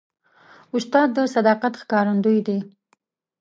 استاد د صداقت ښکارندوی دی.